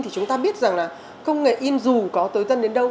thì chúng ta biết rằng là công nghệ in dù có tới dân đến đâu